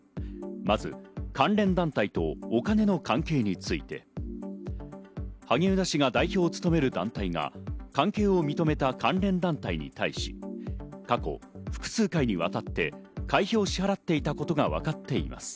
まず関連団体とお金の関係について、萩生田氏が代表を務める団体が関係を認めた関連団体に対し、過去複数回にわたって会費を支払っていたことがわかっています。